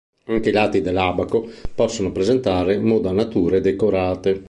Anche i lati dell'abaco possono presentare modanature decorate.